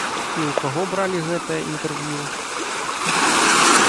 І ў каго бралі гэтае інтэрв'ю?